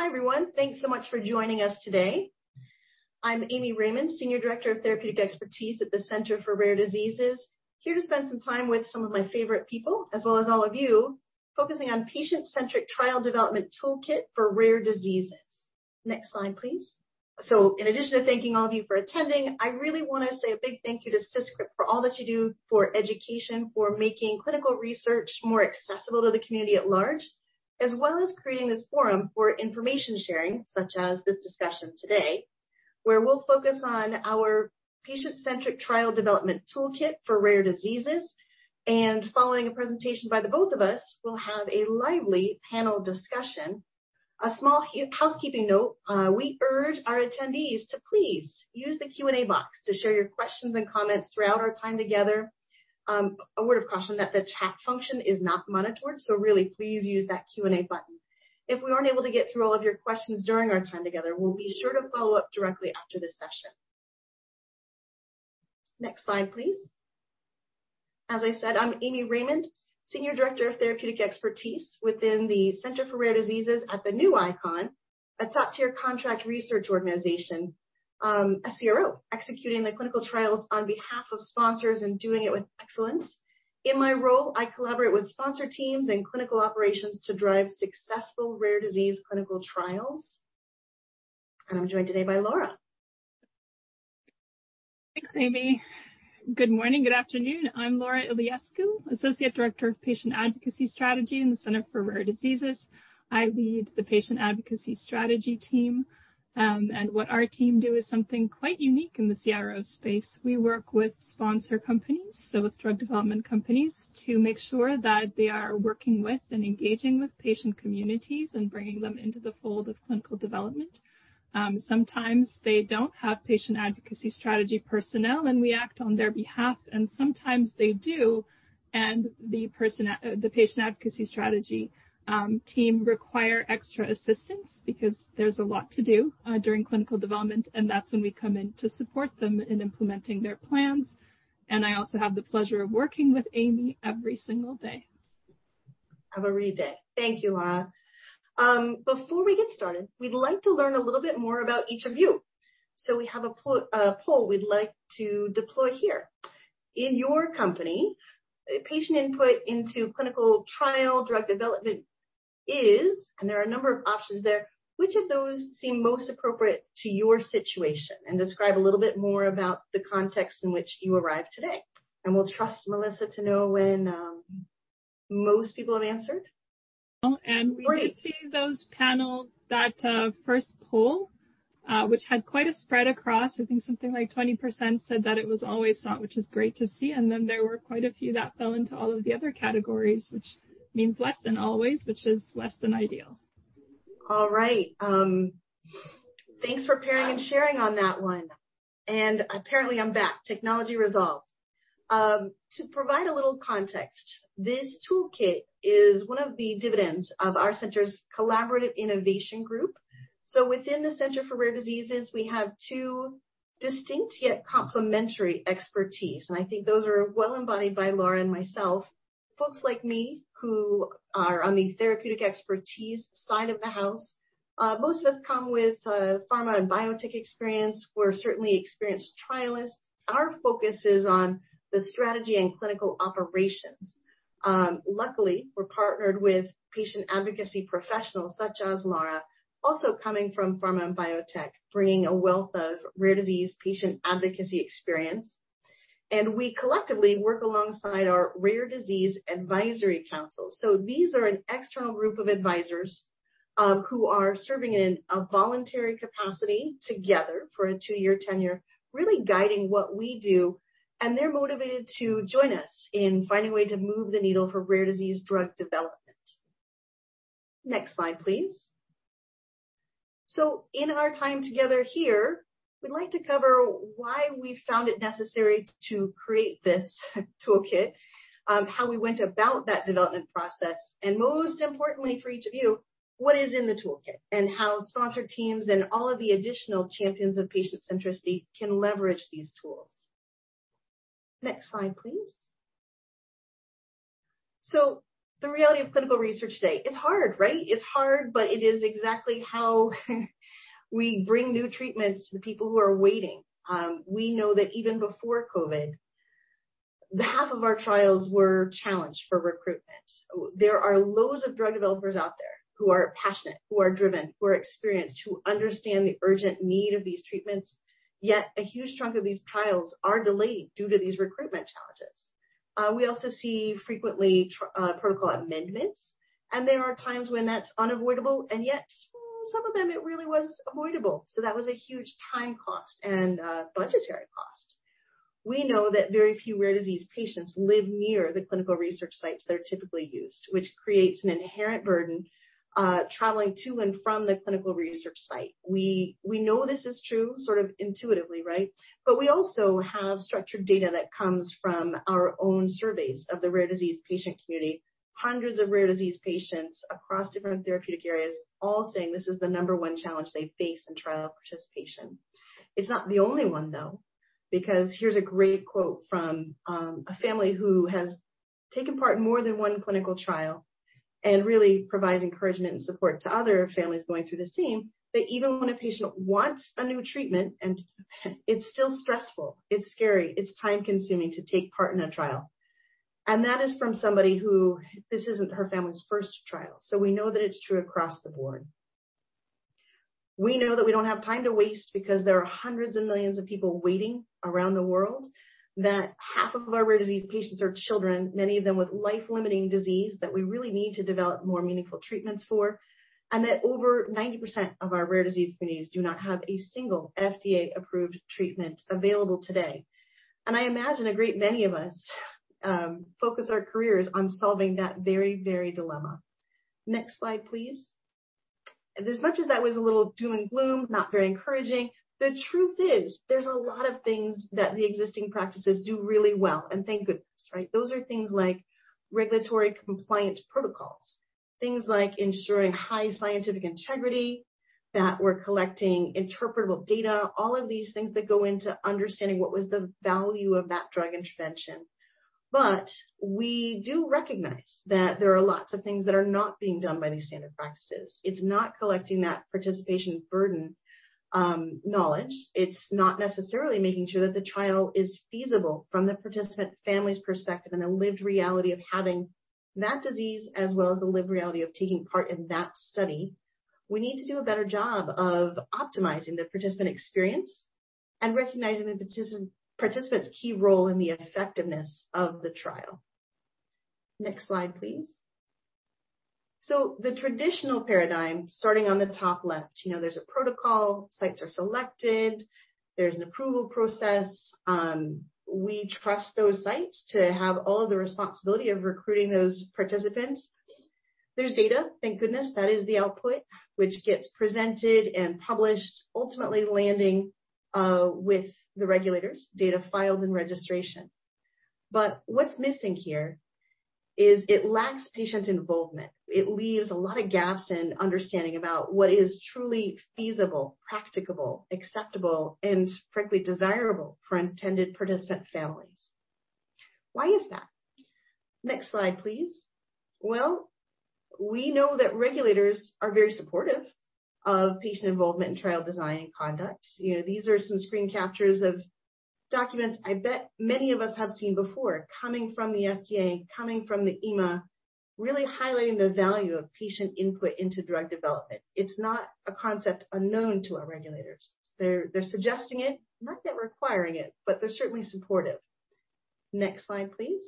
Hi everyone, thanks so much for joining us today. I'm Amy Raymond, Senior Director of Therapeutic Expertise at the Center for Rare Diseases, here to spend some time with some of my favorite people, as well as all of you, focusing on Patient-Centric Trial Development Toolkit for Rare Diseases. Next slide, please. So, in addition to thanking all of you for attending, I really want to say a big thank you to CISCRP for all that you do for education, for making clinical research more accessible to the community at large, as well as creating this forum for information sharing, such as this discussion today, where we'll focus on our Patient-Centric Trial Development Toolkit for Rare Diseases, and following a presentation by the both of us, we'll have a lively panel discussion. A small housekeeping note: we urge our attendees to please use the Q&A box to share your questions and comments throughout our time together. A word of caution: that the chat function is not monitored, so really please use that Q&A button. If we aren't able to get through all of your questions during our time together, we'll be sure to follow up directly after this session. Next slide, please. As I said, I'm Amy Raymond, Senior Director of Therapeutic Expertise within the Center for Rare Diseases at ICON, a top-tier contract research organization, a CRO executing the clinical trials on behalf of sponsors and doing it with excellence. In my role, I collaborate with sponsor teams and clinical operations to drive successful rare disease clinical trials. And I'm joined today by Laura. Thanks, Amy. Good morning, good afternoon. I'm Laura Iliescu, Associate Director of Patient Advocacy Strategy in the Center for Rare Diseases. I lead the Patient Advocacy Strategy team, and what our team do is something quite unique in the CRO space. We work with sponsor companies, so with drug development companies, to make sure that they are working with and engaging with patient communities and bringing them into the fold of clinical development. Sometimes they don't have Patient Advocacy Strategy personnel, and we act on their behalf, and sometimes they do, and the Patient Advocacy Strategy team requires extra assistance because there's a lot to do during clinical development, and that's when we come in to support them in implementing their plans, and I also have the pleasure of working with Amy every single day. Have a great day. Thank you, Laura. Before we get started, we'd like to learn a little bit more about each of you. So we have a poll we'd like to deploy here. In your company, patient input into clinical trial drug development is, and there are a number of options there, which of those seem most appropriate to your situation? And describe a little bit more about the context in which you arrived today. We'll trust Melissa to know when most people have answered. And we did see those panels, that first poll, which had quite a spread across, I think something like 20% said that it was always thought, which is great to see. And then there were quite a few that fell into all of the other categories, which means less than always, which is less than ideal. All right. Thanks for pairing and sharing on that one, and apparently I'm back. Technology resolved. To provide a little context, this toolkit is one of the dividends of our center's collaborative innovation group, so within the Center for Rare Diseases, we have two distinct yet complementary expertise, and I think those are well embodied by Laura and myself. Folks like me who are on the therapeutic expertise side of the house, most of us come with pharma and biotech experience. We're certainly experienced trialists. Our focus is on the strategy and clinical operations. Luckily, we're partnered with patient advocacy professionals such as Laura, also coming from pharma and biotech, bringing a wealth of rare disease patient advocacy experience, and we collectively work alongside our Rare Disease Advisory Council. These are an external group of advisors who are serving in a voluntary capacity together for a two-year tenure, really guiding what we do. And they're motivated to join us in finding a way to move the needle for rare disease drug development. Next slide, please. So in our time together here, we'd like to cover why we found it necessary to create this toolkit, how we went about that development process, and most importantly for each of you, what is in the toolkit and how sponsor teams and all of the additional champions of patient centricity can leverage these tools. Next slide, please. So the reality of clinical research today, it's hard, right? It's hard, but it is exactly how we bring new treatments to the people who are waiting. We know that even before COVID, half of our trials were challenged for recruitment. There are loads of drug developers out there who are passionate, who are driven, who are experienced, who understand the urgent need of these treatments. Yet a huge chunk of these trials are delayed due to these recruitment challenges. We also see frequently protocol amendments, and there are times when that's unavoidable, and yet some of them it really was avoidable, so that was a huge time cost and budgetary cost. We know that very few rare disease patients live near the clinical research sites they're typically used, which creates an inherent burden traveling to and from the clinical research site. We know this is true sort of intuitively, right, but we also have structured data that comes from our own surveys of the rare disease patient community, hundreds of rare disease patients across different therapeutic areas, all saying this is the number one challenge they face in trial participation. It's not the only one though, because here's a great quote from a family who has taken part in more than one clinical trial and really provides encouragement and support to other families going through the same, that even when a patient wants a new treatment, it's still stressful, it's scary, it's time-consuming to take part in a trial. And that is from somebody who this isn't her family's first trial. So we know that it's true across the board. We know that we don't have time to waste because there are hundreds of millions of people waiting around the world, that half of our rare disease patients are children, many of them with life-limiting disease that we really need to develop more meaningful treatments for, and that over 90% of our rare disease communities do not have a single FDA-approved treatment available today. I imagine a great many of us focus our careers on solving that very, very dilemma. Next slide, please. As much as that was a little doom and gloom, not very encouraging, the truth is there's a lot of things that the existing practices do really well, and thank goodness, right? Those are things like regulatory compliance protocols, things like ensuring high scientific integrity, that we're collecting interpretable data, all of these things that go into understanding what was the value of that drug intervention. We do recognize that there are lots of things that are not being done by these standard practices. It's not collecting that participation burden knowledge. It's not necessarily making sure that the trial is feasible from the participant family's perspective and the lived reality of having that disease, as well as the lived reality of taking part in that study. We need to do a better job of optimizing the participant experience and recognizing the participant's key role in the effectiveness of the trial. Next slide, please. The traditional paradigm, starting on the top left, you know there's a protocol, sites are selected, there's an approval process. We trust those sites to have all of the responsibility of recruiting those participants. There's data, thank goodness, that is the output, which gets presented and published, ultimately landing with the regulators, data filed and registration. But what's missing here is it lacks patient involvement. It leaves a lot of gaps in understanding about what is truly feasible, practicable, acceptable, and frankly desirable for intended participant families. Why is that? Next slide, please. We know that regulators are very supportive of patient involvement in trial design and conduct. These are some screen captures of documents I bet many of us have seen before, coming from the FDA, coming from the EMA, really highlighting the value of patient input into drug development. It's not a concept unknown to our regulators. They're suggesting it, not that requiring it, but they're certainly supportive. Next slide, please.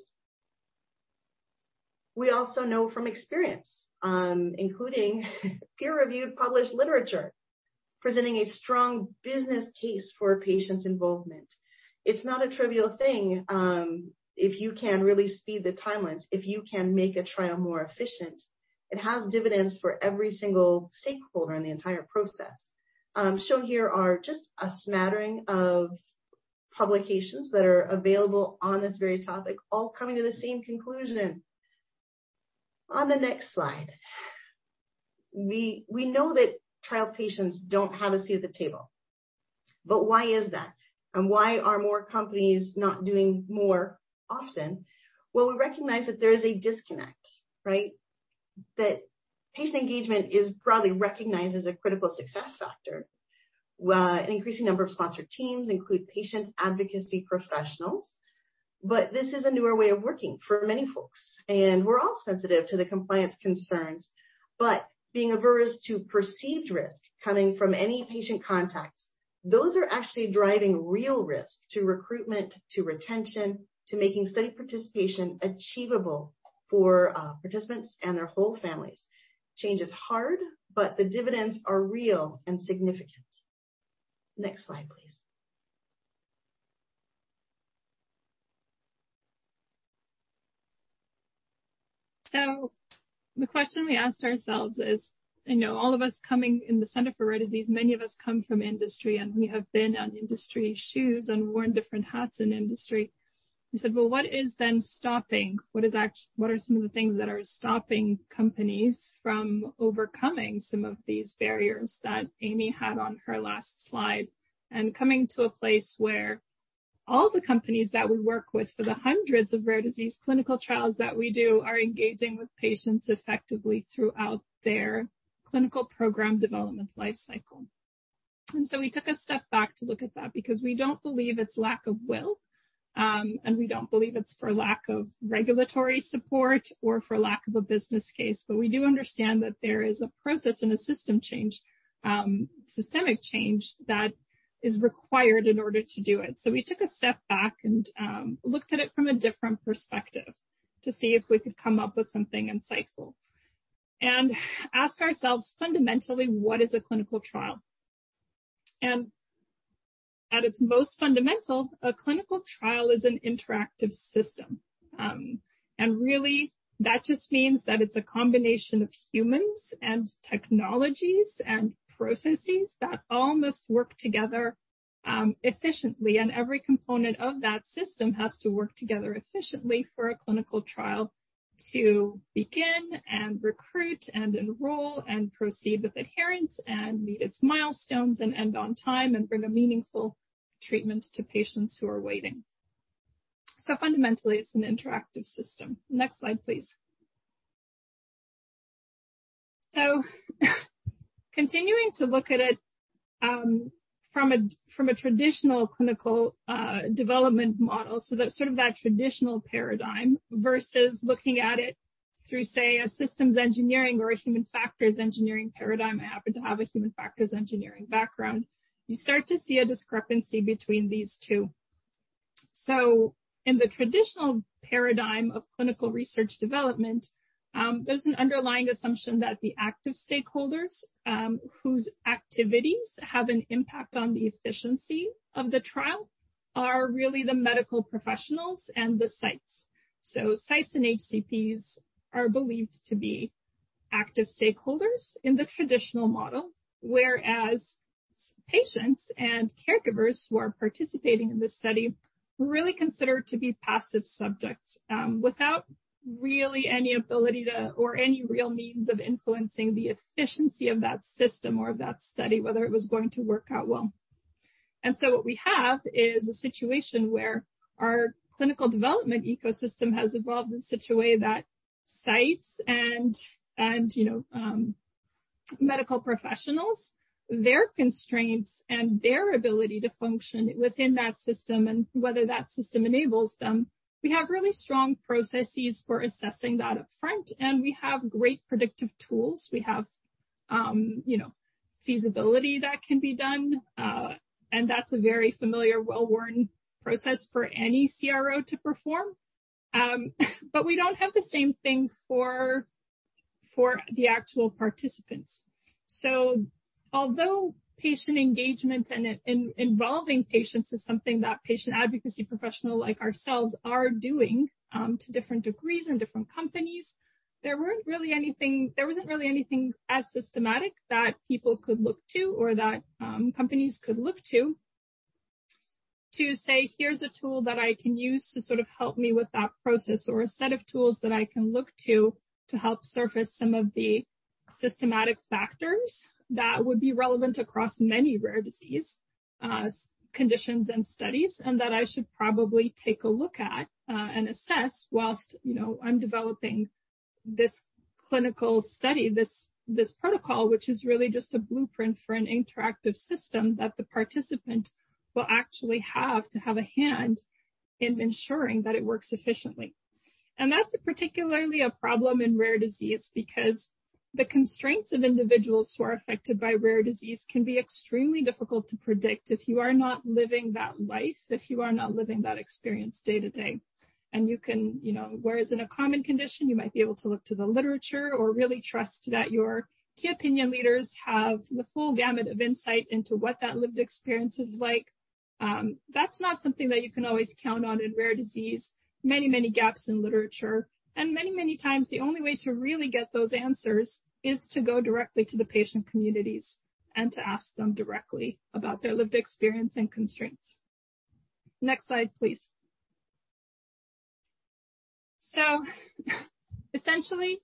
We also know from experience, including peer-reviewed published literature, presenting a strong business case for patient involvement. It's not a trivial thing if you can really speed the timelines, if you can make a trial more efficient. It has dividends for every single stakeholder in the entire process. Shown here are just a smattering of publications that are available on this very topic, all coming to the same conclusion. On the next slide, we know that trial patients don't have a seat at the table. But why is that? And why are more companies not doing more often? Well, we recognize that there is a disconnect, right? That patient engagement is broadly recognized as a critical success factor. An increasing number of sponsor teams include patient advocacy professionals. But this is a newer way of working for many folks. And we're all sensitive to the compliance concerns. But being averse to perceived risk coming from any patient contacts, those are actually driving real risk to recruitment, to retention, to making study participation achievable for participants and their whole families. Change is hard, but the dividends are real and significant. Next slide, please. So the question we asked ourselves is, you know, all of us coming in the Center for Rare Diseases, many of us come from industry, and we have been in industry's shoes and worn different hats in industry. We said, well, what is then stopping? What are some of the things that are stopping companies from overcoming some of these barriers that Amy had on her last slide? And coming to a place where all the companies that we work with for the hundreds of rare disease clinical trials that we do are engaging with patients effectively throughout their clinical program development life cycle. And so we took a step back to look at that because we don't believe it's lack of will, and we don't believe it's for lack of regulatory support or for lack of a business case. But we do understand that there is a process and a system change, systemic change that is required in order to do it. So we took a step back and looked at it from a different perspective to see if we could come up with something insightful. And ask ourselves fundamentally, what is a clinical trial? And at its most fundamental, a clinical trial is an interactive system. And really, that just means that it's a combination of humans and technologies and processes that all must work together efficiently. And every component of that system has to work together efficiently for a clinical trial to begin and recruit and enroll and proceed with adherence and meet its milestones and end on time and bring a meaningful treatment to patients who are waiting. So fundamentally, it's an interactive system. Next slide, please. So continuing to look at it from a traditional clinical development model, so that sort of that traditional paradigm versus looking at it through, say, a systems engineering or a human factors engineering paradigm, I happen to have a human factors engineering background, you start to see a discrepancy between these two. So in the traditional paradigm of clinical research development, there's an underlying assumption that the active stakeholders whose activities have an impact on the efficiency of the trial are really the medical professionals and the sites. So sites and HCPs are believed to be active stakeholders in the traditional model, whereas patients and caregivers who are participating in the study were really considered to be passive subjects without really any ability to or any real means of influencing the efficiency of that system or of that study, whether it was going to work out well. And so what we have is a situation where our clinical development ecosystem has evolved in such a way that sites and, you know, medical professionals, their constraints and their ability to function within that system and whether that system enables them, we have really strong processes for assessing that upfront. And we have great predictive tools. We have, you know, feasibility that can be done. And that's a very familiar, well-worn process for any CRO to perform. But we don't have the same thing for the actual participants. So although patient engagement and involving patients is something that patient advocacy professionals like ourselves are doing to different degrees in different companies, there wasn't really anything as systematic that people could look to or that companies could look to to say, here's a tool that I can use to sort of help me with that process or a set of tools that I can look to to help surface some of the systematic factors that would be relevant across many rare disease conditions and studies and that I should probably take a look at and assess whilst, you know, I'm developing this clinical study, this protocol, which is really just a blueprint for an interactive system that the participant will actually have to have a hand in ensuring that it works efficiently. And that's particularly a problem in rare disease because the constraints of individuals who are affected by rare disease can be extremely difficult to predict if you are not living that life, if you are not living that experience day to day. And you can, you know, whereas in a common condition, you might be able to look to the literature or really trust that your key opinion leaders have the full gamut of insight into what that lived experience is like. That's not something that you can always count on in rare disease. Many, many gaps in literature. And many, many times, the only way to really get those answers is to go directly to the patient communities and to ask them directly about their lived experience and constraints. Next slide, please. So essentially,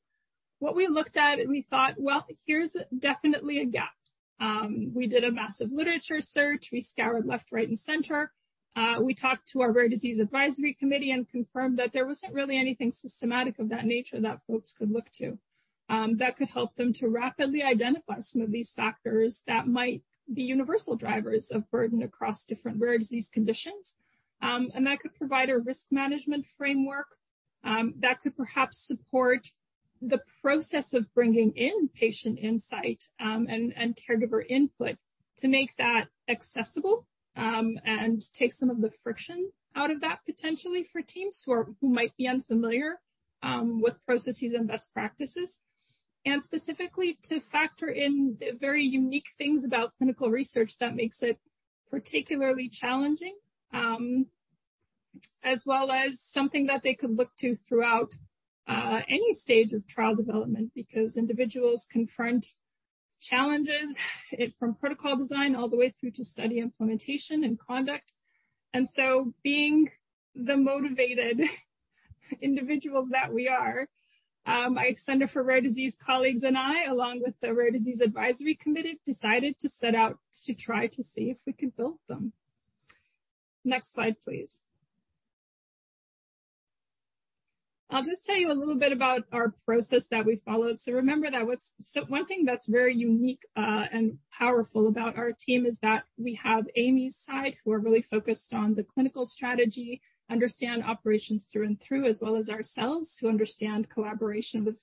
what we looked at, we thought, well, here's definitely a gap. We did a massive literature search. We scoured left, right, and center. We talked to our rare disease advisory committee and confirmed that there wasn't really anything systematic of that nature that folks could look to that could help them to rapidly identify some of these factors that might be universal drivers of burden across different rare disease conditions, and that could provide a risk management framework that could perhaps support the process of bringing in patient insight and caregiver input to make that accessible and take some of the friction out of that potentially for teams who might be unfamiliar with processes and best practices. And specifically to factor in the very unique things about clinical research that makes it particularly challenging, as well as something that they could look to throughout any stage of trial development because individuals confront challenges from protocol design all the way through to study implementation and conduct. And so being the motivated individuals that we are, my Center for Rare Diseases colleagues and I, along with the Rare Disease Advisory Committee, decided to set out to try to see if we could build them. Next slide, please. I'll just tell you a little bit about our process that we followed. Remember that one thing that's very unique and powerful about our team is that we have Amy's side, who are really focused on the clinical strategy, understand operations through and through, as well as ourselves to understand collaboration with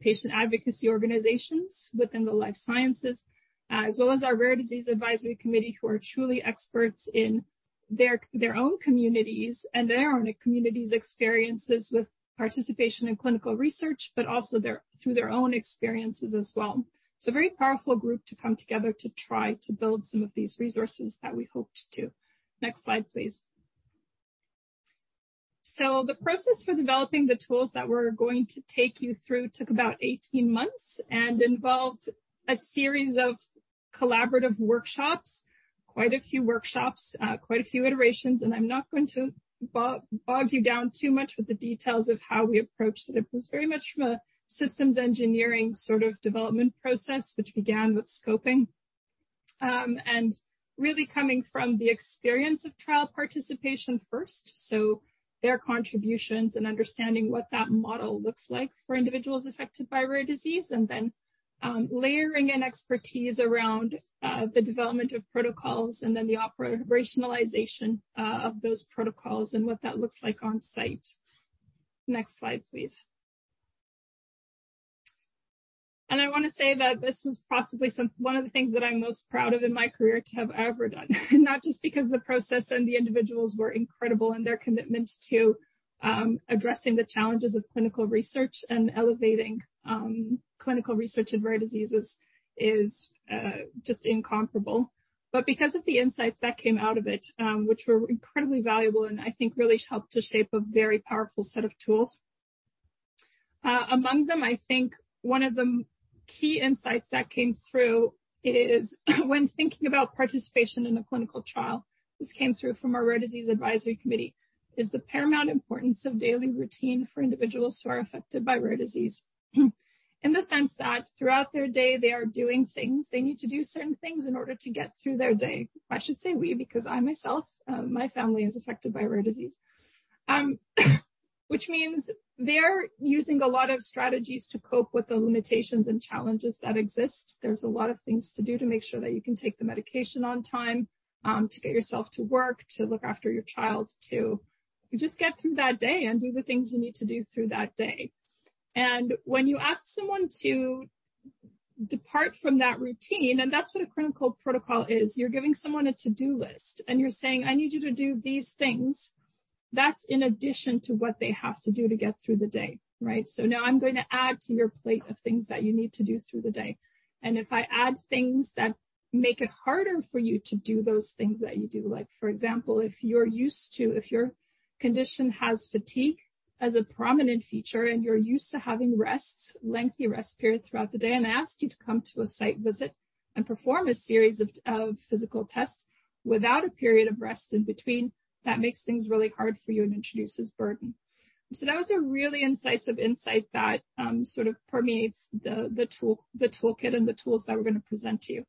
patient advocacy organizations within the life sciences, as well as our Rare Disease Advisory Committee, who are truly experts in their own communities and their own communities' experiences with participation in clinical research, but also through their own experiences as well. So a very powerful group to come together to try to build some of these resources that we hoped to. Next slide, please. So the process for developing the tools that we're going to take you through took about 18 months and involved a series of collaborative workshops, quite a few workshops, quite a few iterations. And I'm not going to bog you down too much with the details of how we approached it. It was very much from a systems engineering sort of development process, which began with scoping and really coming from the experience of trial participation first. So their contributions and understanding what that model looks like for individuals affected by rare disease, and then layering in expertise around the development of protocols and then the operationalization of those protocols and what that looks like on site. Next slide, please. And I want to say that this was possibly one of the things that I'm most proud of in my career to have ever done, not just because the process and the individuals were incredible and their commitment to addressing the challenges of clinical research and elevating clinical research in rare diseases is just incomparable. But because of the insights that came out of it, which were incredibly valuable and I think really helped to shape a very powerful set of tools. Among them, I think one of the key insights that came through is when thinking about participation in a clinical trial. This came through from our Rare Disease Advisory Committee. It is the paramount importance of daily routine for individuals who are affected by rare disease in the sense that throughout their day, they are doing things they need to do certain things in order to get through their day. I should say we, because I myself, my family is affected by rare disease, which means they are using a lot of strategies to cope with the limitations and challenges that exist. There's a lot of things to do to make sure that you can take the medication on time, to get yourself to work, to look after your child, to just get through that day and do the things you need to do through that day. And when you ask someone to depart from that routine, and that's what a clinical protocol is, you're giving someone a to-do list and you're saying, I need you to do these things. That's in addition to what they have to do to get through the day, right? So now I'm going to add to your plate of things that you need to do through the day. If I add things that make it harder for you to do those things that you do, like for example, if you're used to, if your condition has fatigue as a prominent feature and you're used to having rests, lengthy rest periods throughout the day, and I ask you to come to a site visit and perform a series of physical tests without a period of rest in between, that makes things really hard for you and introduces burden. That was a really incisive insight that sort of permeates the toolkit and the tools that we're going to present to you.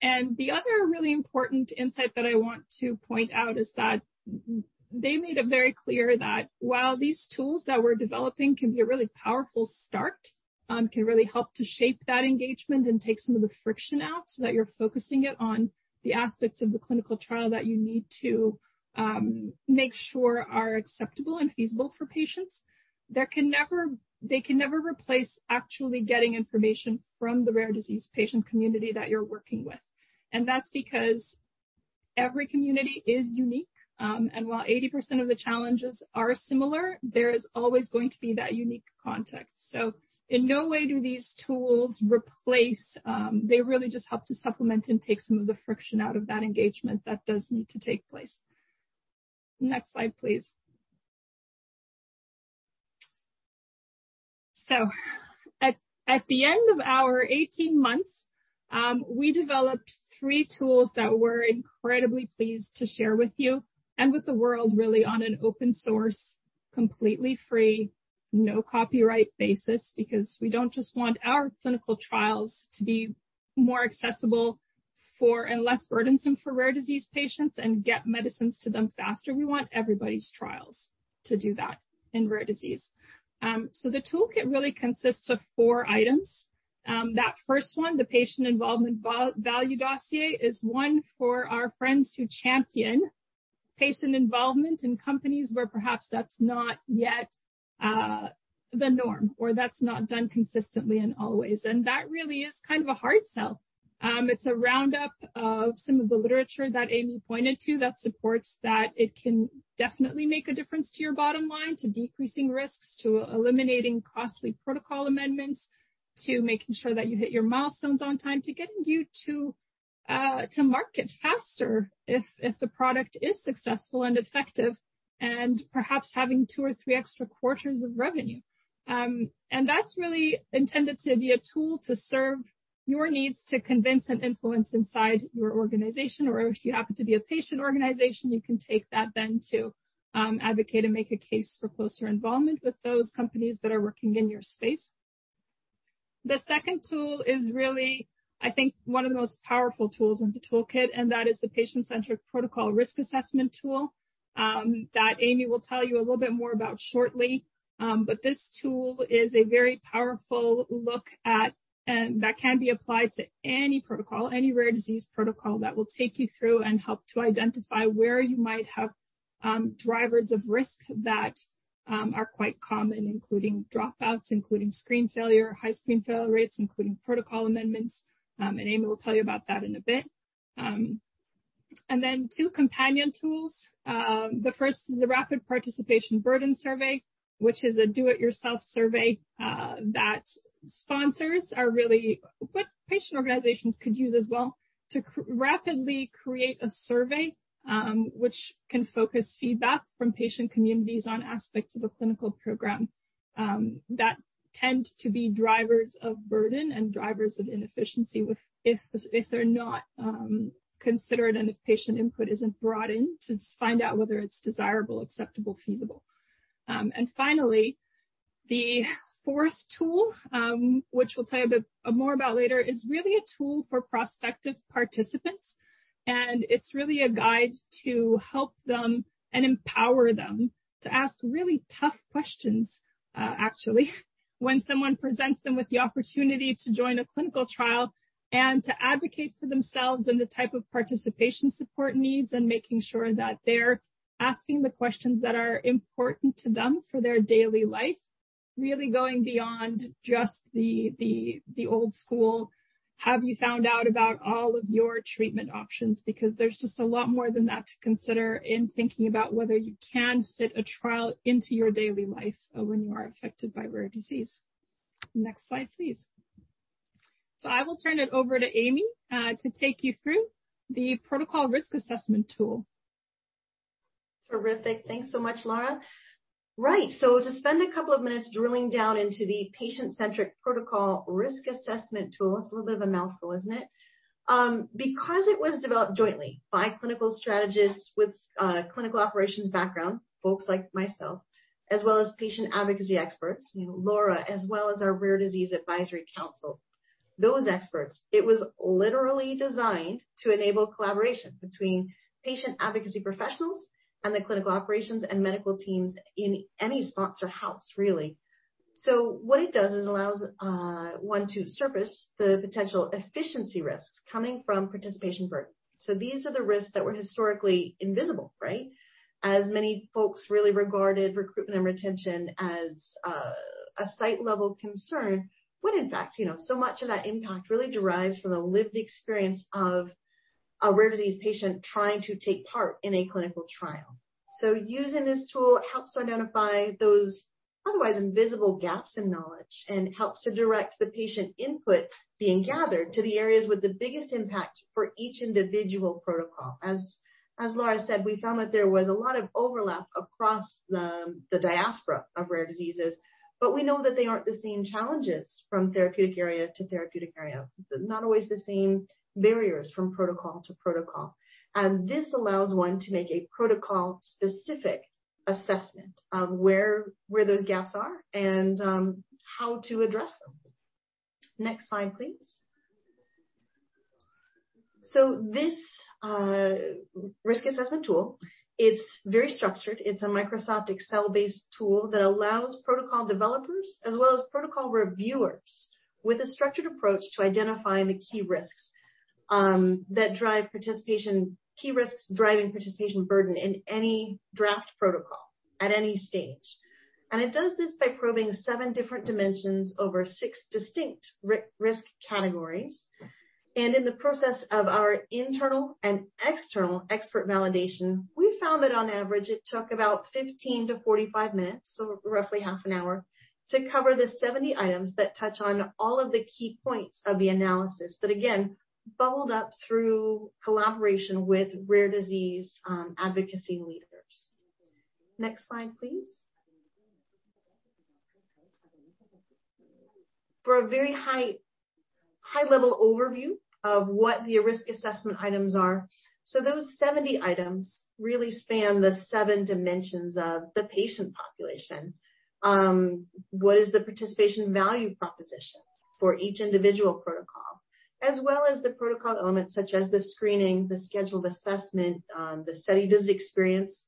And the other really important insight that I want to point out is that they made it very clear that while these tools that we're developing can be a really powerful start, can really help to shape that engagement and take some of the friction out so that you're focusing it on the aspects of the clinical trial that you need to make sure are acceptable and feasible for patients, they can never replace actually getting information from the rare disease patient community that you're working with. And that's because every community is unique. And while 80% of the challenges are similar, there is always going to be that unique context. So in no way do these tools replace. They really just help to supplement and take some of the friction out of that engagement that does need to take place. Next slide, please. At the end of our 18 months, we developed three tools that we're incredibly pleased to share with you and with the world, really on an open source, completely free, no copyright basis, because we don't just want our clinical trials to be more accessible for and less burdensome for rare disease patients and get medicines to them faster. We want everybody's trials to do that in rare disease. The toolkit really consists of four items. That first one, the Patient Involvement Value Dossier, is one for our friends who champion patient involvement in companies where perhaps that's not yet the norm or that's not done consistently and always, and that really is kind of a hard sell. It's a roundup of some of the literature that Amy pointed to that supports that it can definitely make a difference to your bottom line, to decreasing risks, to eliminating costly protocol amendments, to making sure that you hit your milestones on time, to getting you to market faster if the product is successful and effective and perhaps having two or three extra quarters of revenue. And that's really intended to be a tool to serve your needs, to convince and influence inside your organization. Or if you happen to be a patient organization, you can take that then to advocate and make a case for closer involvement with those companies that are working in your space. The second tool is really, I think, one of the most powerful tools in the toolkit, and that is the Patient-Centric Protocol Risk Assessment Tool that Amy will tell you a little bit more about shortly. But this tool is a very powerful look at and that can be applied to any protocol, any rare disease protocol that will take you through and help to identify where you might have drivers of risk that are quite common, including dropouts, including screen failure, high screen failure rates, including protocol amendments, and Amy will tell you about that in a bit. And then two companion tools. The first is the Rapid Participation Burden Survey, which is a do-it-yourself survey that sponsors are really what patient organizations could use as well to rapidly create a survey which can focus feedback from patient communities on aspects of the clinical program that tend to be drivers of burden and drivers of inefficiency if they're not considered and if patient input isn't brought in to find out whether it's desirable, acceptable, feasible, and finally, the fourth tool, which we'll tell you a bit more about later, is really a tool for prospective participants. It's really a guide to help them and empower them to ask really tough questions, actually, when someone presents them with the opportunity to join a clinical trial and to advocate for themselves and the type of participation support needs and making sure that they're asking the questions that are important to them for their daily life, really going beyond just the old school, have you found out about all of your treatment options, because there's just a lot more than that to consider in thinking about whether you can fit a trial into your daily life when you are affected by rare disease. Next slide, please. So I will turn it over to Amy to take you through the Protocol Risk Assessment Tool. Terrific. Thanks so much, Laura. Right. To spend a couple of minutes drilling down into the Patient-Centric Protocol Risk Assessment Tool, it's a little bit of a mouthful, isn't it? Because it was developed jointly by clinical strategists with clinical operations background, folks like myself, as well as patient advocacy experts, Laura, as well as our Rare Disease Advisory Council, those experts. It was literally designed to enable collaboration between patient advocacy professionals and the clinical operations and medical teams in any sponsor house, really. So what it does is allows one to surface the potential efficiency risks coming from participation burden. So these are the risks that were historically invisible, right? As many folks really regarded recruitment and retention as a site-level concern, when in fact, so much of that impact really derives from the lived experience of a rare disease patient trying to take part in a clinical trial. Using this tool helps to identify those otherwise invisible gaps in knowledge and helps to direct the patient input being gathered to the areas with the biggest impact for each individual protocol. As Laura said, we found that there was a lot of overlap across the diaspora of rare diseases, but we know that they aren't the same challenges from therapeutic area to therapeutic area, not always the same barriers from protocol to protocol. And this allows one to make a protocol-specific assessment of where those gaps are and how to address them. Next slide, please. This risk assessment tool is very structured. It is a Microsoft Excel-based tool that allows protocol developers as well as protocol reviewers with a structured approach to identify the key risks that drive participation, key risks driving participation burden in any draft protocol at any stage. It does this by probing seven different dimensions over six distinct risk categories. In the process of our internal and external expert validation, we found that on average, it took about 15 minutes-45 minutes, so roughly half an hour, to cover the 70 items that touch on all of the key points of the analysis that, again, bubbled up through collaboration with rare disease advocacy leaders. Next slide, please. For a very high-level overview of what the risk assessment items are. Those 70 items really span the seven dimensions of the patient population. What is the participation value proposition for each individual protocol, as well as the protocol elements such as the screening, the scheduled assessment, the study visit experience?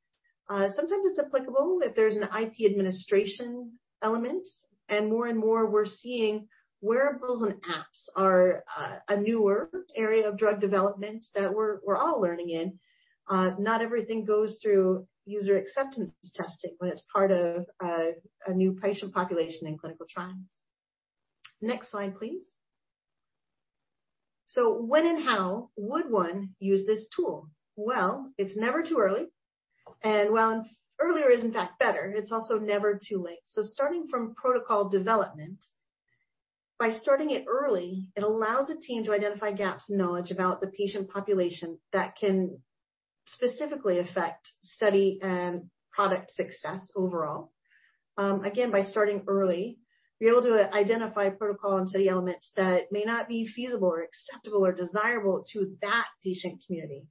Sometimes it's applicable if there's an IP administration element. More and more, we're seeing wearables and apps are a newer area of drug development that we're all learning in. Not everything goes through user acceptance testing when it's part of a new patient population in clinical trials. Next slide, please. When and how would one use this tool? It's never too early. While earlier is in fact better, it's also never too late. Starting from protocol development, by starting it early, it allows a team to identify gaps in knowledge about the patient population that can specifically affect study and product success overall. Again, by starting early, you're able to identify protocol and study elements that may not be feasible or acceptable or desirable to that patient community.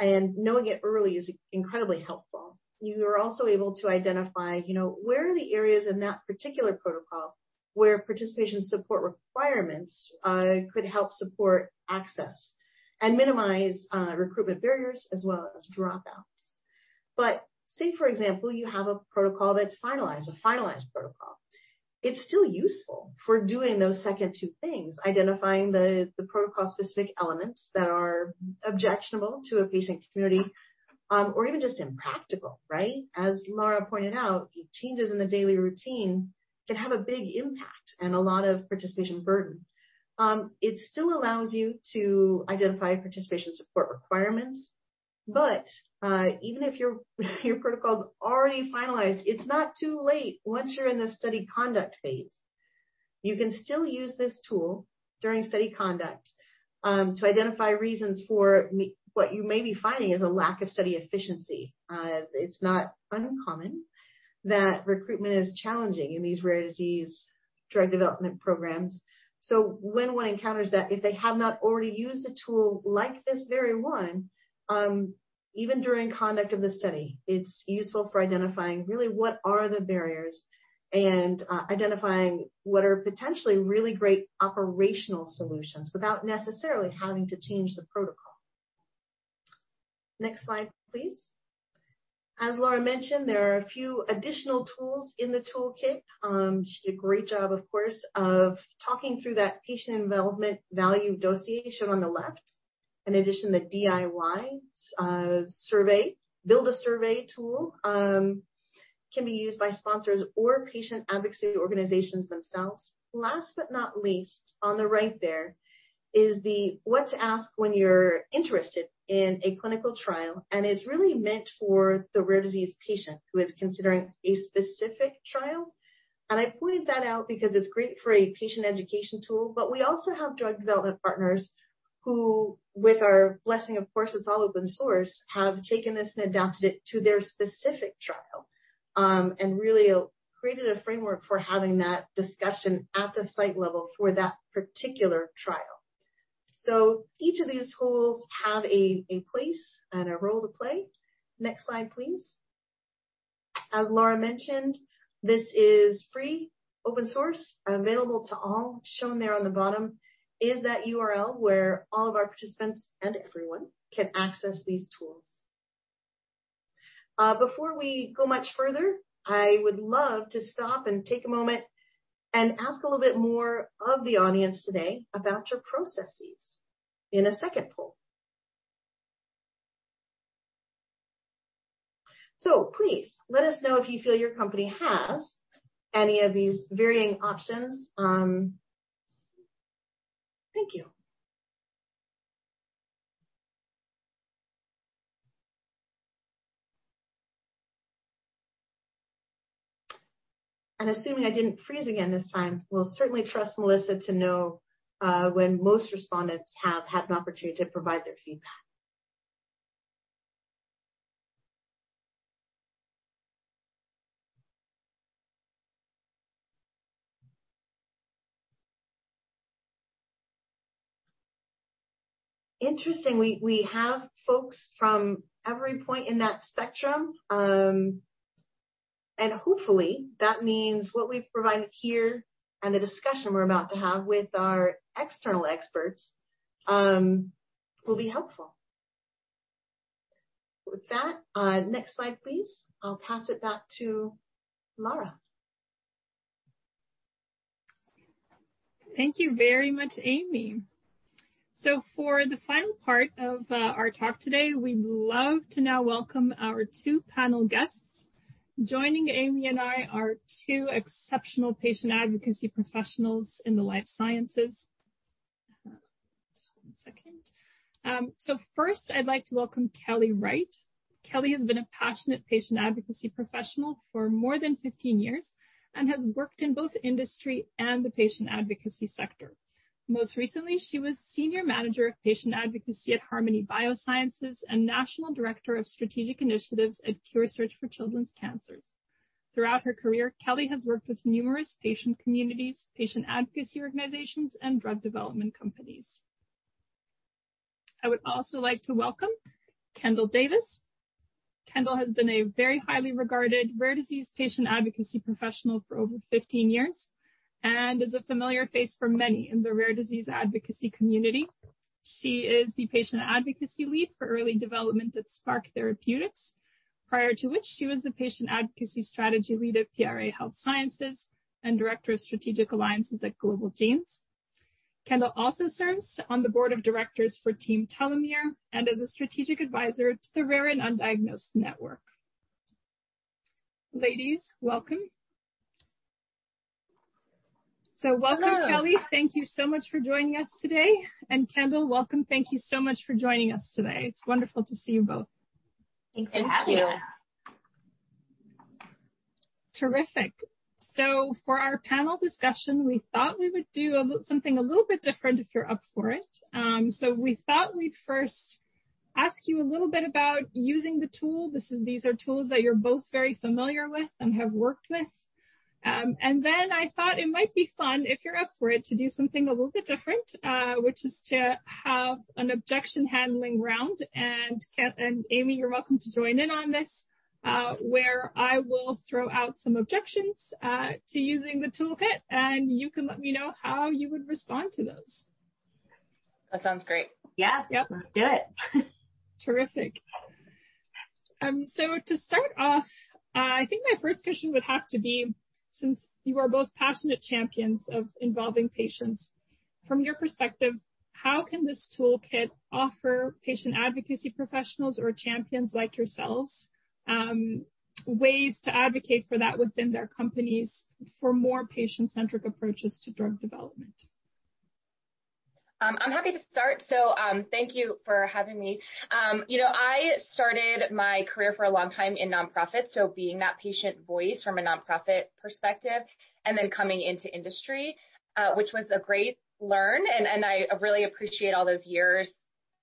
Knowing it early is incredibly helpful. You are also able to identify where are the areas in that particular protocol where participation support requirements could help support access and minimize recruitment barriers as well as dropouts. But say, for example, you have a protocol that's finalized, a finalized protocol, it's still useful for doing those second two things, identifying the protocol-specific elements that are objectionable to a patient community or even just impractical, right? As Laura pointed out, changes in the daily routine can have a big impact and a lot of participation burden. It still allows you to identify participation support requirements. But even if your protocol is already finalized, it's not too late. Once you're in the study conduct phase, you can still use this tool during study conduct to identify reasons for what you may be finding as a lack of study efficiency. It's not uncommon that recruitment is challenging in these rare disease drug development programs. So when one encounters that, if they have not already used a tool like this very one, even during conduct of the study, it's useful for identifying really what are the barriers and identifying what are potentially really great operational solutions without necessarily having to change the protocol. Next slide, please. As Laura mentioned, there are a few additional tools in the toolkit. She did a great job, of course, of talking through that Patient Involvement Value Dossier shown on the left. In addition, the DIY survey, build a survey tool can be used by sponsors or patient advocacy organizations themselves. Last but not least, on the right there is the What to Ask When You're Interested in a Clinical Trial, and it's really meant for the rare disease patient who is considering a specific trial. I pointed that out because it's great for a patient education tool. We also have drug development partners who, with our blessing, of course, it's all open source, have taken this and adapted it to their specific trial and really created a framework for having that discussion at the site level for that particular trial. Each of these tools have a place and a role to play. Next slide, please. As Laura mentioned, this is free, open source, available to all. Shown there on the bottom is that URL where all of our participants and everyone can access these tools. Before we go much further, I would love to stop and take a moment and ask a little bit more of the audience today about your processes in a second poll. Please let us know if you feel your company has any of these varying options. Thank you and assuming I didn't freeze again this time, we'll certainly trust Melissa to know when most respondents have had an opportunity to provide their feedback. Interesting. We have folks from every point in that spectrum and hopefully, that means what we've provided here and the discussion we're about to have with our external experts will be helpful. With that, next slide, please. I'll pass it back to Laura. Thank you very much, Amy, so for the final part of our talk today, we'd love to now welcome our two panel guests. Joining Amy and I are two exceptional patient advocacy professionals in the life sciences. Just one second, so first, I'd like to welcome Kelly Wright. Kelly has been a passionate patient advocacy professional for more than 15 years and has worked in both industry and the patient advocacy sector. Most recently, she was senior manager of patient advocacy at Harmony Biosciences and national director of strategic initiatives at CureSearch for Children's Cancers. Throughout her career, Kelly has worked with numerous patient communities, patient advocacy organizations, and drug development companies. I would also like to welcome Kendall Davis. Kendall has been a very highly regarded rare disease patient advocacy professional for over 15 years and is a familiar face for many in the rare disease advocacy community. She is the patient advocacy lead for early development at Spark Therapeutics, prior to which she was the patient advocacy strategy lead at PRA Health Sciences and director of strategic alliances at Global Genes. Kendall also serves on the board of directors for Team Telomere and as a strategic advisor to the Rare and Undiagnosed Network. Ladies, welcome, so welcome, Kelly. Thank you so much for joining us today, and Kendall, welcome. Thank you so much for joining us today. It's wonderful to see you both. Thank you. Thank you. Terrific. So for our panel discussion, we thought we would do something a little bit different if you're up for it. So we thought we'd first ask you a little bit about using the tool. These are tools that you're both very familiar with and have worked with. And then I thought it might be fun, if you're up for it, to do something a little bit different, which is to have an objection handling round. And Amy, you're welcome to join in on this, where I will throw out some objections to using the toolkit, and you can let me know how you would respond to those. That sounds great. Yeah. Let's do it. Terrific. To start off, I think my first question would have to be, since you are both passionate champions of involving patients, from your perspective, how can this toolkit offer patient advocacy professionals or champions like yourselves ways to advocate for that within their companies for more patient-centric approaches to drug development? I'm happy to start. So thank you for having me. I started my career for a long time in nonprofits, so being that patient voice from a nonprofit perspective and then coming into industry, which was a great learn. And I really appreciate all those years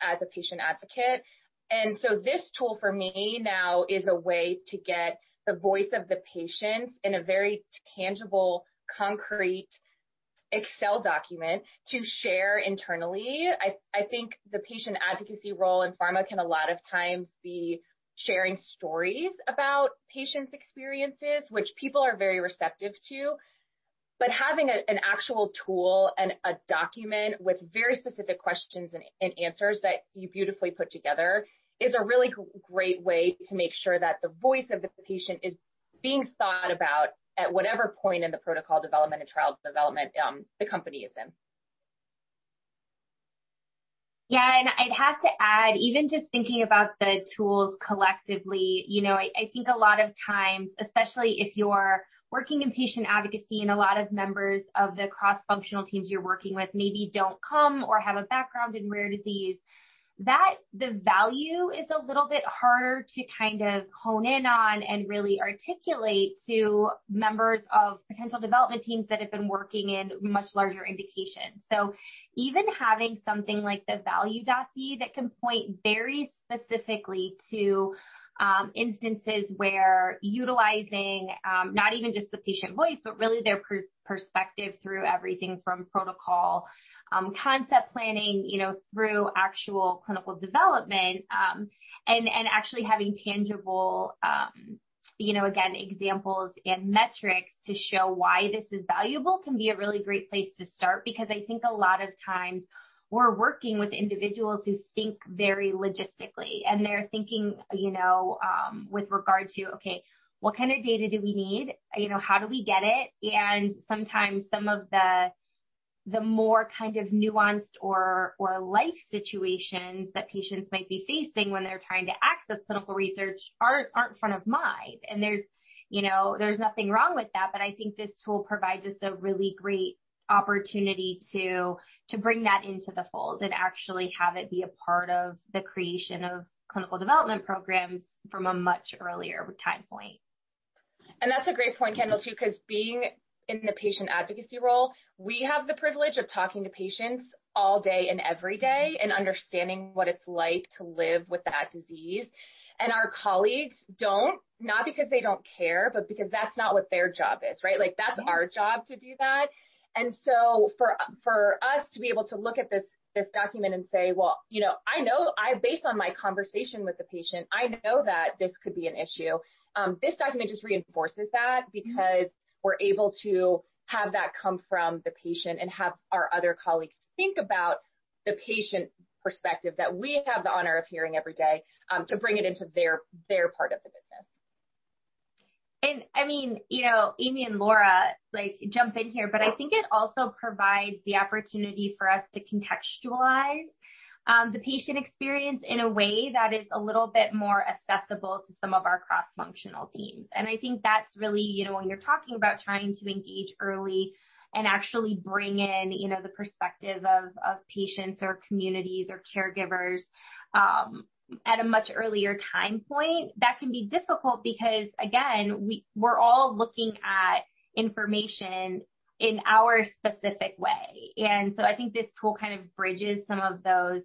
as a patient advocate. And so this tool for me now is a way to get the voice of the patients in a very tangible, concrete Excel document to share internally. I think the patient advocacy role in pharma can a lot of times be sharing stories about patients' experiences, which people are very receptive to. But having an actual tool and a document with very specific questions and answers that you beautifully put together is a really great way to make sure that the voice of the patient is being thought about at whatever point in the protocol development and trial development the company is in. Yeah. I'd have to add, even just thinking about the tools collectively, I think a lot of times, especially if you're working in patient advocacy and a lot of members of the cross-functional teams you're working with maybe don't come or have a background in rare disease, the value is a little bit harder to kind of hone in on and really articulate to members of potential development teams that have been working in much larger indications. So even having something like the Value Dossier that can point very specifically to instances where utilizing not even just the patient voice, but really their perspective through everything from protocol concept planning through actual clinical development and actually having tangible, again, examples and metrics to show why this is valuable can be a really great place to start because I think a lot of times we're working with individuals who think very logistically. And they're thinking with regard to, "Okay, what kind of data do we need? How do we get it?" And sometimes some of the more kind of nuanced or life situations that patients might be facing when they're trying to access clinical research aren't front of mind. And there's nothing wrong with that. But I think this tool provides us a really great opportunity to bring that into the fold and actually have it be a part of the creation of clinical development programs from a much earlier time point. And that's a great point, Kendall, too, because being in the patient advocacy role, we have the privilege of talking to patients all day and every day and understanding what it's like to live with that disease. And our colleagues don't, not because they don't care, but because that's not what their job is, right? That's our job to do that. For us to be able to look at this document and say, "Well, I know based on my conversation with the patient, I know that this could be an issue." This document just reinforces that because we're able to have that come from the patient and have our other colleagues think about the patient perspective that we have the honor of hearing every day to bring it into their part of the business. I mean, Amy and Laura jump in here, but I think it also provides the opportunity for us to contextualize the patient experience in a way that is a little bit more accessible to some of our cross-functional teams. And I think that's really when you're talking about trying to engage early and actually bring in the perspective of patients or communities or caregivers at a much earlier time point, that can be difficult because, again, we're all looking at information in our specific way. And so I think this tool kind of bridges some of the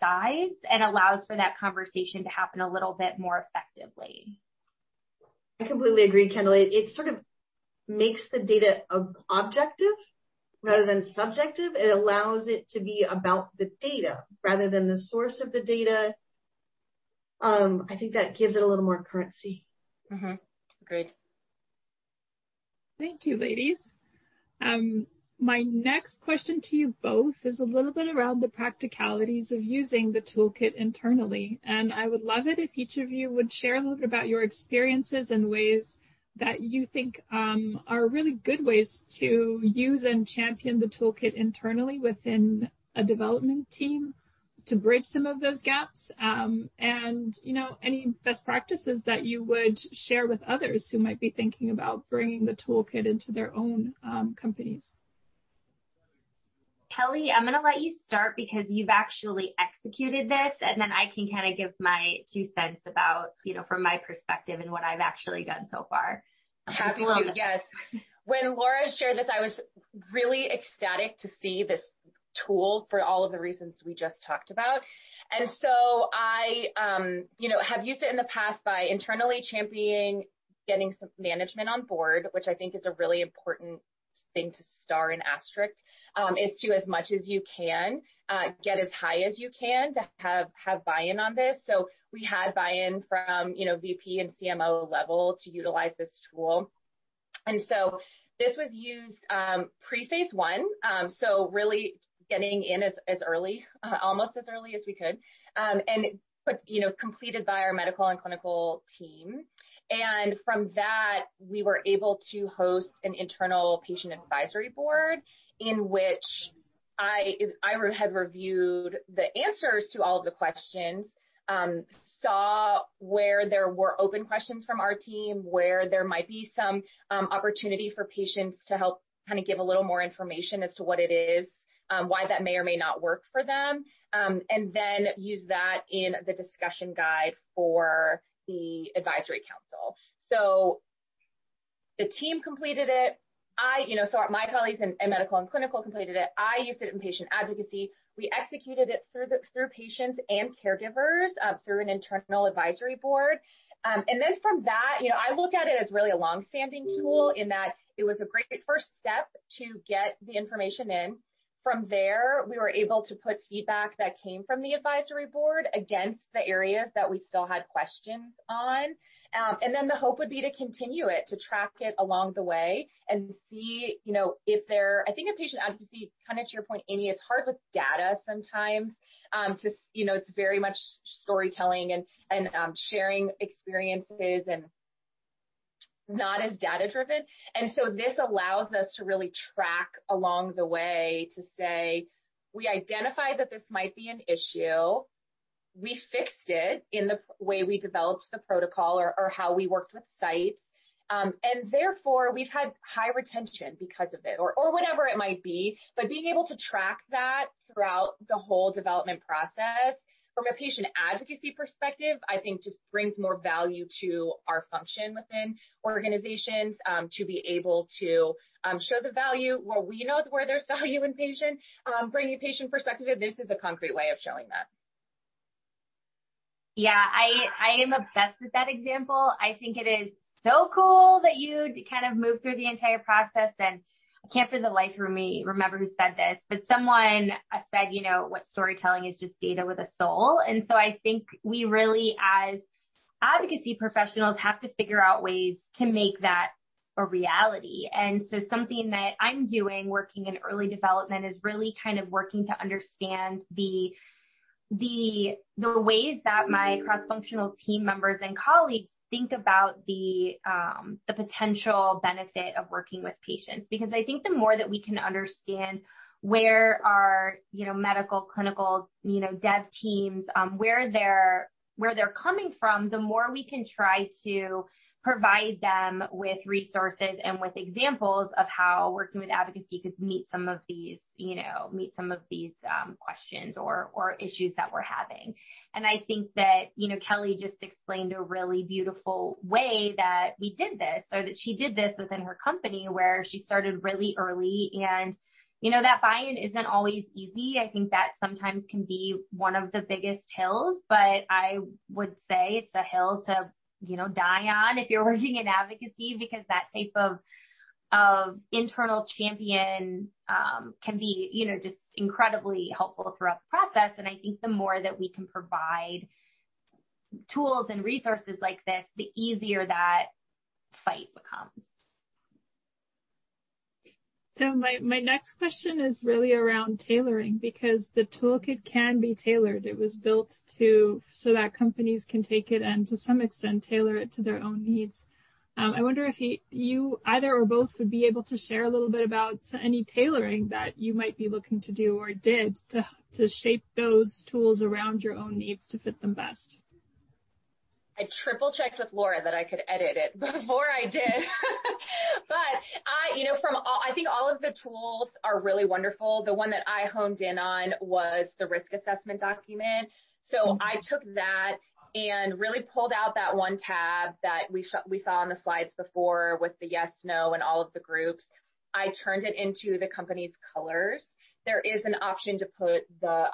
sides and allows for that conversation to happen a little bit more effectively. I completely agree, Kendall. It sort of makes the data objective rather than subjective. It allows it to be about the data rather than the source of the data. I think that gives it a little more currency. Agreed. Thank you, ladies. My next question to you both is a little bit around the practicalities of using the toolkit internally. And I would love it if each of you would share a little bit about your experiences and ways that you think are really good ways to use and champion the toolkit internally within a development team to bridge some of those gaps and any best practices that you would share with others who might be thinking about bringing the toolkit into their own companies. Kelly, I'm going to let you start because you've actually executed this. And then I can kind of give my two cents from my perspective and what I've actually done so far. Happy to. Yes. When Laura shared this, I was really ecstatic to see this tool for all of the reasons we just talked about. And so I have used it in the past by internally championing getting some management on board, which I think is a really important thing to star and asterisk, is to, as much as you can, get as high as you can to have buy-in on this. So we had buy-in from VP and CMO level to utilize this tool. And so this was used pre-Phase I, so really getting in as early, almost as early as we could, and completed by our medical and clinical team. And from that, we were able to host an internal patient advisory board in which I had reviewed the answers to all of the questions, saw where there were open questions from our team, where there might be some opportunity for patients to help kind of give a little more information as to what it is, why that may or may not work for them, and then use that in the discussion guide for the advisory council. So the team completed it. So my colleagues in medical and clinical completed it. I used it in patient advocacy. We executed it through patients and caregivers through an internal advisory board. And then from that, I look at it as really a longstanding tool in that it was a great first step to get the information in. From there, we were able to put feedback that came from the advisory board against the areas that we still had questions on, and then the hope would be to continue it, to track it along the way and see if there, I think, in patient advocacy, kind of to your point, Amy, it's hard with data sometimes. It's very much storytelling and sharing experiences and not as data-driven, and so this allows us to really track along the way to say, "We identified that this might be an issue. We fixed it in the way we developed the protocol or how we worked with sites," and therefore, we've had high retention because of it or whatever it might be. But being able to track that throughout the whole development process from a patient advocacy perspective, I think, just brings more value to our function within organizations to be able to show the value where we know where there's value in patients, bringing a patient perspective of this is a concrete way of showing that. Yeah. I am obsessed with that example. I think it is so cool that you kind of moved through the entire process. And I can't for the life of me remember who said this, but someone said what storytelling is just data with a soul. And so I think we really, as advocacy professionals, have to figure out ways to make that a reality. And so something that I'm doing working in early development is really kind of working to understand the ways that my cross-functional team members and colleagues think about the potential benefit of working with patients. Because I think the more that we can understand where our medical, clinical, dev teams, where they're coming from, the more we can try to provide them with resources and with examples of how working with advocacy could meet some of these questions or issues that we're having. And I think that Kelly just explained a really beautiful way that we did this or that she did this within her company where she started really early. And that buy-in isn't always easy. I think that sometimes can be one of the biggest hills. But I would say it's a hill to die on if you're working in advocacy because that type of internal champion can be just incredibly helpful throughout the process. And I think the more that we can provide tools and resources like this, the easier that fight becomes. So my next question is really around tailoring because the toolkit can be tailored. It was built so that companies can take it and, to some extent, tailor it to their own needs. I wonder if you either or both would be able to share a little bit about any tailoring that you might be looking to do or did to shape those tools around your own needs to fit them best. I triple-checked with Laura that I could edit it before I did. But I think all of the tools are really wonderful. The one that I honed in on was the risk assessment document, so I took that and really pulled out that one tab that we saw on the slides before with the yes, no, and all of the groups. I turned it into the company's colors. There is an option to put the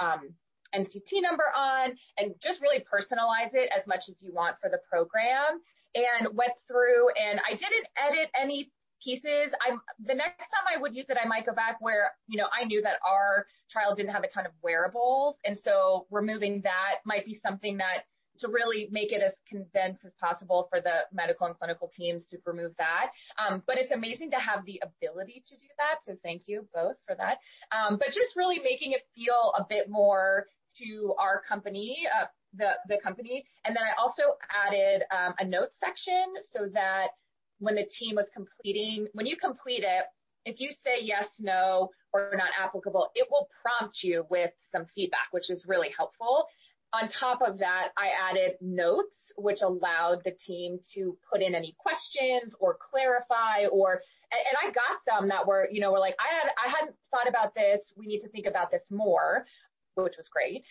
NCT number on and just really personalize it as much as you want for the program and went through, and I didn't edit any pieces. The next time I would use it, I might go back where I knew that our trial didn't have a ton of wearables, and so removing that might be something that, to really make it as condensed as possible for the medical and clinical teams, to remove that. But it's amazing to have the ability to do that, so thank you both for that. But just really making it feel a bit more to our company, the company. And then I also added a notes section so that when the team was completing when you complete it, if you say yes, no, or not applicable, it will prompt you with some feedback, which is really helpful. On top of that, I added notes, which allowed the team to put in any questions or clarify. And I got some that were like, "I hadn't thought about this. We need to think about this more," which was great.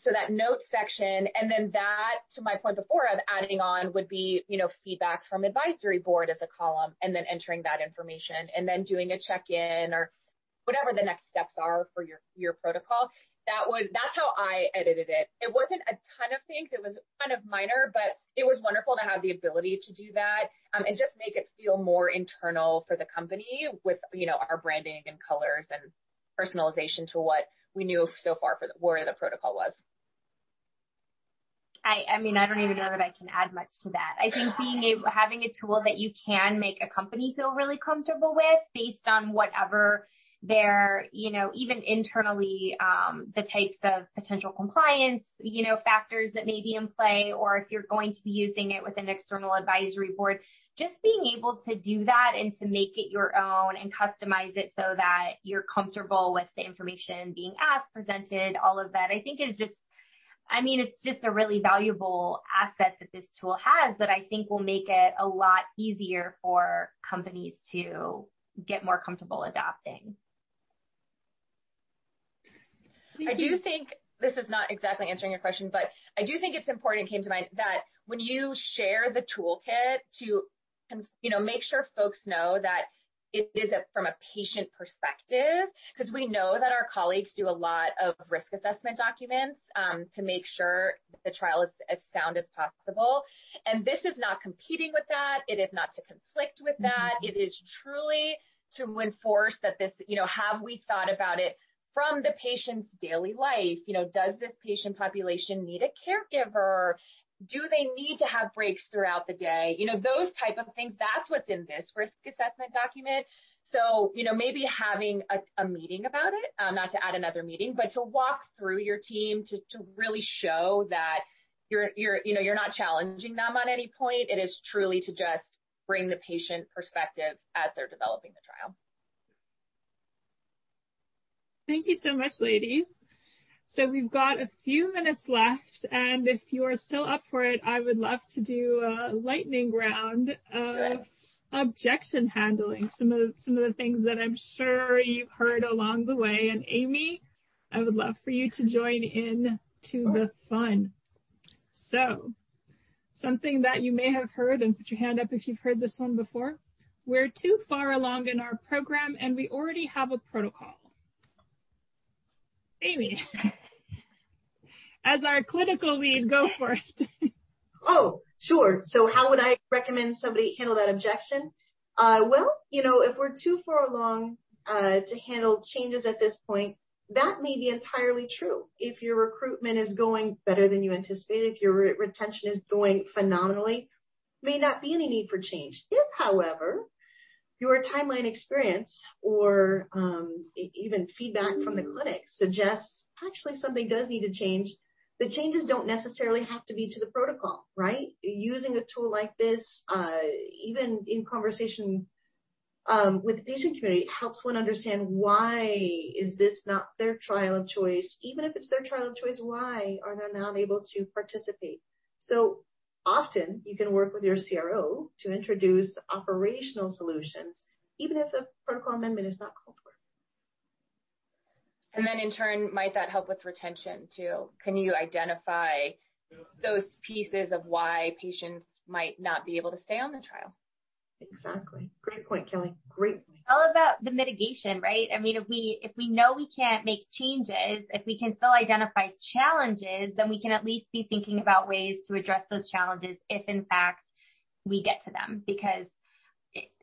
So that notes section. And then that, to my point before of adding on, would be feedback from advisory board as a column and then entering that information and then doing a check-in or whatever the next steps are for your protocol. That's how I edited it. It wasn't a ton of things. It was kind of minor, but it was wonderful to have the ability to do that and just make it feel more internal for the company with our branding and colors and personalization to what we knew so far for where the protocol was. I mean, I don't even know that I can add much to that. I think having a tool that you can make a company feel really comfortable with based on whatever their even internally, the types of potential compliance factors that may be in play or if you're going to be using it with an external advisory board, just being able to do that and to make it your own and customize it so that you're comfortable with the information being asked, presented, all of that, I think is just I mean, it's just a really valuable asset that this tool has that I think will make it a lot easier for companies to get more comfortable adopting. I do think this is not exactly answering your question, but I do think it's important it came to mind that when you share the toolkit to make sure folks know that it is from a patient perspective because we know that our colleagues do a lot of risk assessment documents to make sure the trial is as sound as possible, and this is not competing with that. It is not to conflict with that. It is truly to enforce that this have we thought about it from the patient's daily life? Does this patient population need a caregiver? Do they need to have breaks throughout the day? Those type of things, that's what's in this risk assessment document, so maybe having a meeting about it, not to add another meeting, but to walk through your team to really show that you're not challenging them on any point. It is truly to just bring the patient perspective as they're developing the trial. Thank you so much, ladies, so we've got a few minutes left, and if you are still up for it, I would love to do a lightning round of objection handling, some of the things that I'm sure you've heard along the way, and Amy, I would love for you to join in to the fun, so something that you may have heard and put your hand up if you've heard this one before: "We're too far along in our program, and we already have a protocol." Amy, as our clinical lead, go for it. Oh, sure, so how would I recommend somebody handle that objection? Well, if we're too far along to handle changes at this point, that may be entirely true. If your recruitment is going better than you anticipated, if your retention is going phenomenally, there may not be any need for change. If, however, your timeline experience or even feedback from the clinic suggests actually something does need to change, the changes don't necessarily have to be to the protocol, right? Using a tool like this, even in conversation with the patient community, helps one understand why is this not their trial of choice? Even if it's their trial of choice, why are they not able to participate? So often, you can work with your CRO to introduce operational solutions, even if a protocol amendment is not called for. And then, in turn, might that help with retention too? Can you identify those pieces of why patients might not be able to stay on the trial? Exactly. Great point, Kelly. Great point. All about the mitigation, right? I mean, if we know we can't make changes, if we can still identify challenges, then we can at least be thinking about ways to address those challenges if, in fact, we get to them because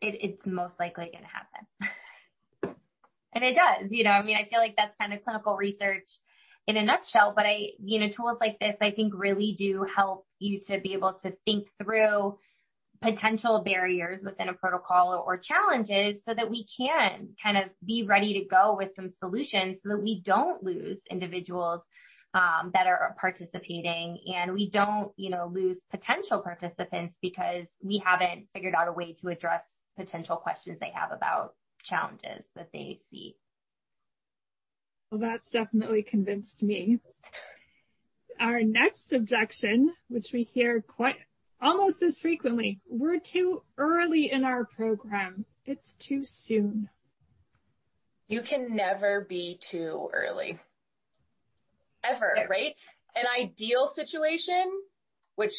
it's most likely going to happen. And it does. I mean, I feel like that's kind of clinical research in a nutshell. But tools like this, I think, really do help you to be able to think through potential barriers within a protocol or challenges so that we can kind of be ready to go with some solutions so that we don't lose individuals that are participating and we don't lose potential participants because we haven't figured out a way to address potential questions they have about challenges that they see. Well, that's definitely convinced me. Our next objection, which we hear almost as frequently, we're too early in our program. It's too soon. You can never be too early. Ever, right? An ideal situation, which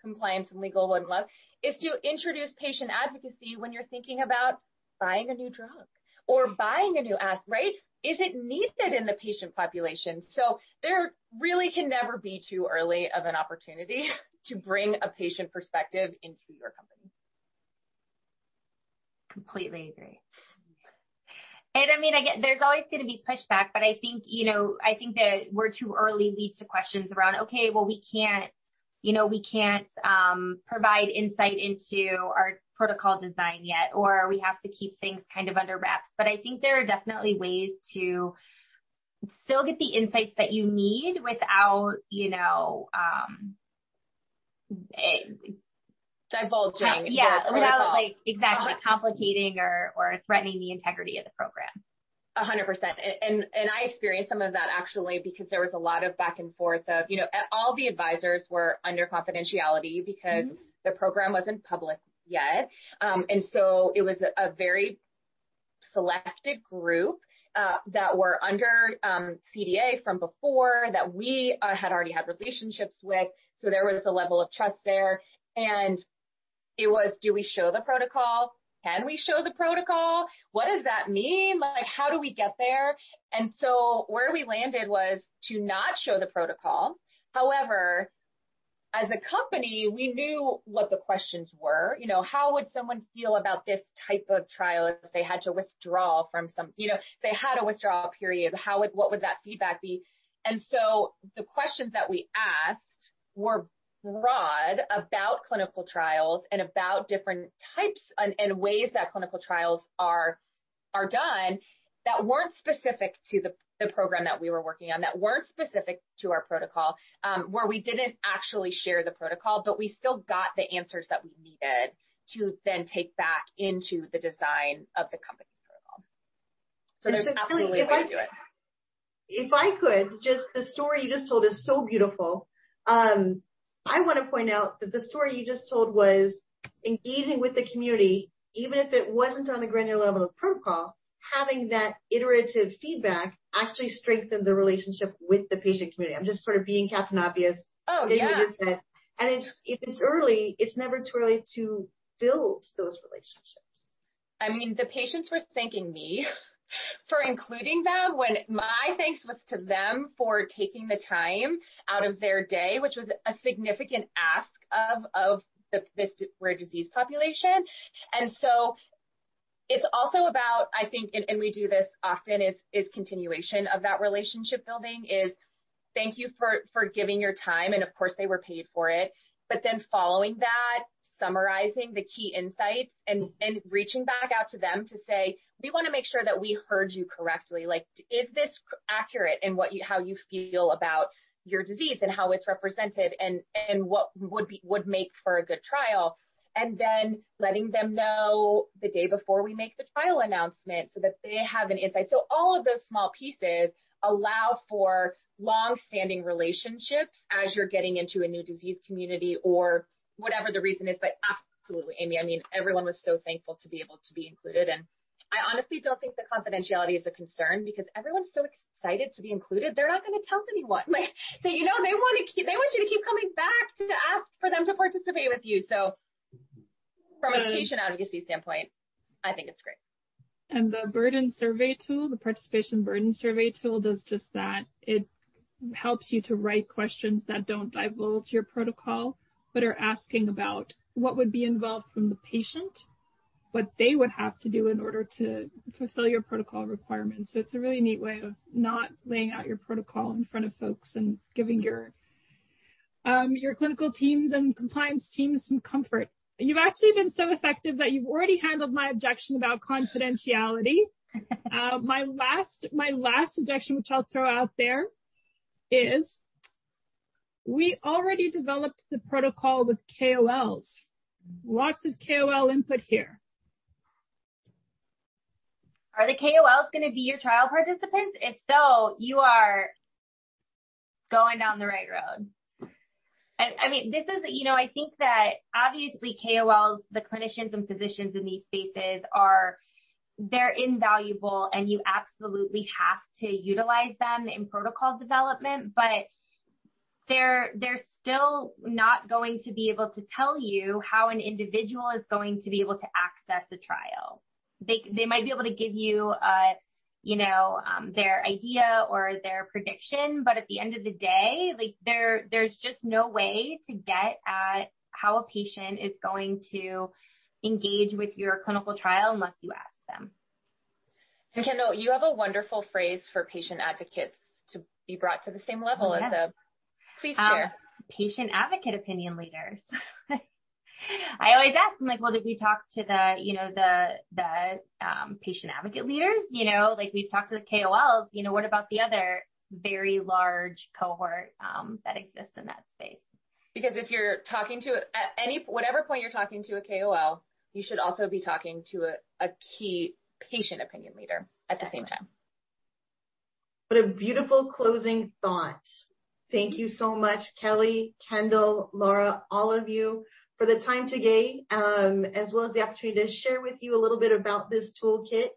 compliance and legal wouldn't love, is to introduce patient advocacy when you're thinking about buying a new drug or buying a new aspirin, right? Is it needed in the patient population? So there really can never be too early of an opportunity to bring a patient perspective into your company. Completely agree. And I mean, there's always going to be pushback, but I think that we're too early leads to questions around, "Okay, well, we can't provide insight into our protocol design yet," or, "We have to keep things kind of under wraps." But I think there are definitely ways to still get the insights that you need without. Divulging. Yeah. Without exactly complicating or threatening the integrity of the program. 100%. And I experienced some of that actually because there was a lot of back and forth of all the advisors were under confidentiality because the program wasn't public yet. And so it was a very selected group that were under CDA from before that we had already had relationships with. So there was a level of trust there. And it was, "Do we show the protocol? Can we show the protocol? What does that mean? How do we get there?" And so where we landed was to not show the protocol. However, as a company, we knew what the questions were. How would someone feel about this type of trial if they had to withdraw from some if they had a withdrawal period? What would that feedback be? The questions that we asked were broad about clinical trials and about different types and ways that clinical trials are done that weren't specific to the program that we were working on, that weren't specific to our protocol, where we didn't actually share the protocol, but we still got the answers that we needed to then take back into the design of the company's protocol. So there's absolutely a way to do it. If I could, just the story you just told is so beautiful. I want to point out that the story you just told was engaging with the community, even if it wasn't on the granular level of protocol, having that iterative feedback actually strengthened the relationship with the patient community. I'm just sort of being Captain Obvious. Oh, yeah. And if it's early, it's never too early to build those relationships. I mean, the patients were thanking me for including them when my thanks was to them for taking the time out of their day, which was a significant ask of this rare disease population. And so it's also about, I think, and we do this often, is continuation of that relationship building is, "Thank you for giving your time." And of course, they were paid for it. But then following that, summarizing the key insights and reaching back out to them to say, "We want to make sure that we heard you correctly. Is this accurate in how you feel about your disease and how it's represented and what would make for a good trial?" And then letting them know the day before we make the trial announcement so that they have an insight. So all of those small pieces allow for long-standing relationships as you're getting into a new disease community or whatever the reason is. But absolutely, Amy, I mean, everyone was so thankful to be able to be included. And I honestly don't think the confidentiality is a concern because everyone's so excited to be included. They're not going to tell anyone. They want you to keep coming back to ask for them to participate with you. So from a patient advocacy standpoint, I think it's great. And the burden survey tool, the participation burden survey tool, does just that. It helps you to write questions that don't divulge your protocol but are asking about what would be involved from the patient, what they would have to do in order to fulfill your protocol requirements. So it's a really neat way of not laying out your protocol in front of folks and giving your clinical teams and compliance teams some comfort. You've actually been so effective that you've already handled my objection about confidentiality. My last objection, which I'll throw out there, is we already developed the protocol with KOLs. Lots of KOL input here. Are the KOLs going to be your trial participants? If so, you are going down the right road. I mean, this is I think that obviously, KOLs, the clinicians and physicians in these spaces, they're invaluable, and you absolutely have to utilize them in protocol development. But they're still not going to be able to tell you how an individual is going to be able to access a trial. They might be able to give you their idea or their prediction, but at the end of the day, there's just no way to get at how a patient is going to engage with your clinical trial unless you ask them. And Kendall, you have a wonderful phrase for patient advocates to be brought to the same level as a PAOL. Please share. Patient advocate opinion leaders. I always ask them, like, "Well, did we talk to the patient advocate leaders? We've talked to the KOLs. What about the other very large cohort that exists in that space?" Because if you're talking to whatever point you're talking to a KOL, you should also be talking to a key patient opinion leader at the same time. What a beautiful closing thought. Thank you so much, Kelly, Kendall, Laura, all of you, for the time today, as well as the opportunity to share with you a little bit about this toolkit.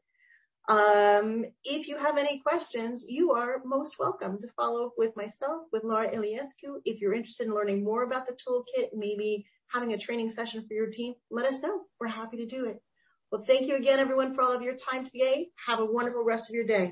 If you have any questions, you are most welcome to follow up with myself, with Laura Iliescu. If you're interested in learning more about the toolkit, maybe having a training session for your team, let us know. We're happy to do it. Well, thank you again, everyone, for all of your time today. Have a wonderful rest of your day.